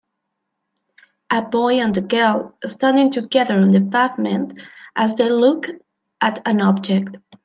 A boy and girl standing together on the pavement as they look at an object.